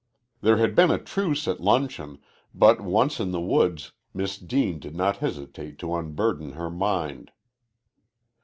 There had been a truce at luncheon, but once in the woods Miss Deane did not hesitate to unburden her mind.